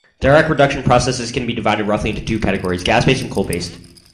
Direct reduction processes can be divided roughly into two categories: gas-based, and coal-based.